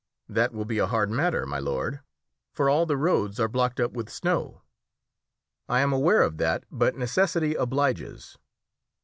"That will be a hard matter, my lord, for all the roads are blocked up with snow." "I am aware of that, but necessity obliges."